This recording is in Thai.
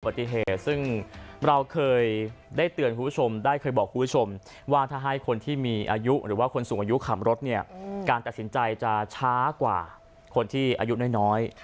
ปฏิเหตุซึ่งเราเคยได้เตือนคุณผู้ชมได้เคยบอกคุณผู้ชมว่าถ้าให้คนที่มีอายุหรือว่าคนสูงอายุขับรถเนี่ยการตัดสินใจจะช้ากว่าคนที่อายุน้อย